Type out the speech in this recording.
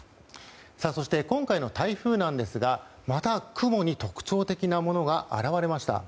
そして今回の台風なんですがまた雲に特徴的なものが現れました。